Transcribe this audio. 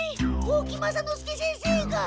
大木雅之助先生が。